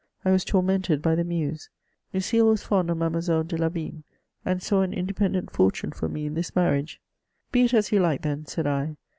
I was tormented by the Muse. Lucile was mnd of Mademoiselle de Lavigne, and saw an independent fortune for me in this marriage :<* Be it as yon like then ! said I.